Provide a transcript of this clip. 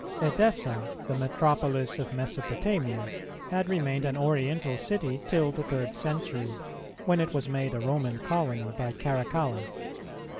Edessa, the metropolis of Mesopotamia, had remained an Oriental city till the third century, when it was made a Roman colony by Caracalla.